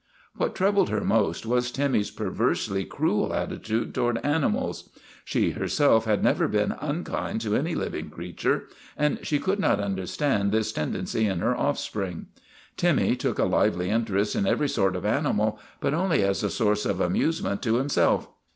What troubled her most was Timmy's perversely cruel attitude toward animals. She herself had never been unkind to any living creature, and she could not understand this tendency in her offspring. Timmy took a lively interest in every sort of animal, but only as a source of amusement to himself.